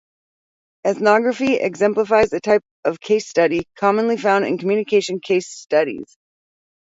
Ethnography exemplifies a type of case study, commonly found in communication case studies.